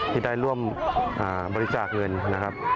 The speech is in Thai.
ที่ได้ร่วมบริจาคเงินนะครับ